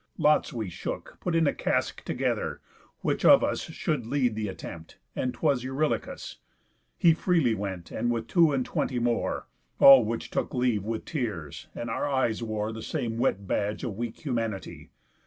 Lots we shook, Put in a casque together, which of us Should lead th' attempt; and 'twas Eurylochus. He freely went, with two and twenty more; All which took leave with tears; and our eyes wore The same wet badge of weak humanity.